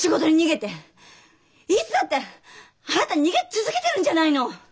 いつだってあなた逃げ続けてるんじゃないの！